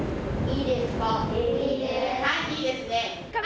いいですか。